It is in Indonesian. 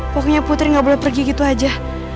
pokoknya putri gak boleh pergi gitu aja